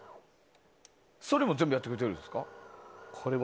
それも全部やってくれてるんですか？